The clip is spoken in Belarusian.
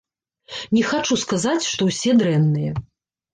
Не хачу сказаць, што ўсе дрэнныя.